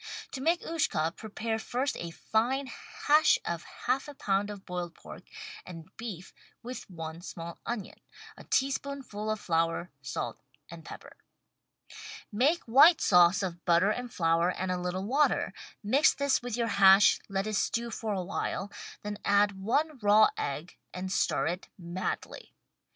To make "Ushka" prepare first a fine hash of half a pound of boiled pork and beef with one small onion, a tablespoonful of flour, salt and pepper. Make white sauce of butter and flour and a little water, mix this with your hash, let it stew for a while, then add one raw egg and stir it madly.